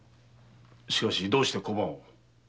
しかしどうして小判を。